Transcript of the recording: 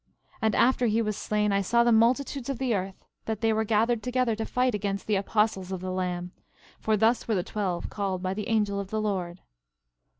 11:34 And after he was slain I saw the multitudes of the earth, that they were gathered together to fight against the apostles of the Lamb; for thus were the twelve called by the angel of the Lord.